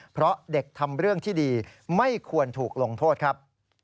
เพราะเด็กทำเรื่องที่ดีไม่ควรถูกลงโทษครับ